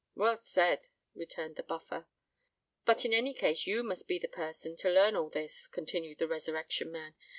"Well said," returned the Buffer. "But in any case you must be the person to learn all this," continued the Resurrection Man.